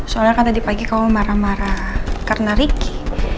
soalnya kan tadi pagi kamu marah marah karena ricky